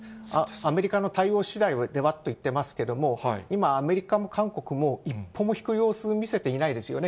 アメリカの対応次第ではといっていますけれども、今、アメリカも韓国も一歩も引く様子、見せてないですよね。